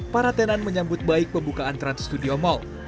para tenan menyambut baik pembukaan trans studio mall